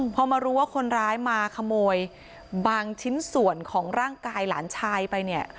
พอมารู้ว่าคนร้ายมาขโมยบางชิ้นส่วนของร่างกายหลานชายไปเนี่ย